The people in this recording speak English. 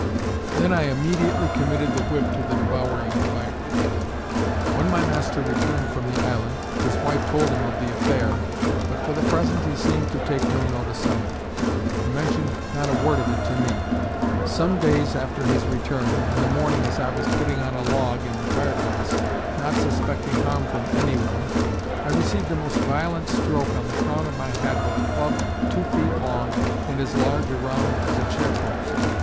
Then I immediately committed the whip to the devouring fire. When my master returned from the island, his wife told him of the affair, but for the present he seemed to take no notice of it, and mentioned not a word of it to me. Some days after his return, in the morning as I was putting on a log in the fire place, not suspecting harm from any one, I received a most violent stroke on the crown of my head with a club two feet long and and as large around as a chair post.